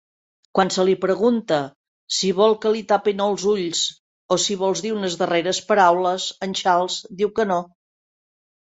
Quan se li pregunta si vol que li tapin els ulls o si vols dir unes darreres paraules, en Charles diu que no.